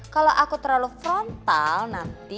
kalau aku terlalu frontal nanti